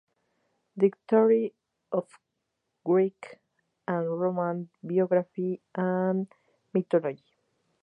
Dictionary of Greek and Roman Biography and Mythology.